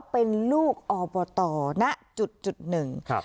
เป็นลูกออบตเนอะ๑